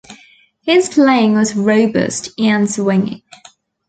His playing was robust and swinging.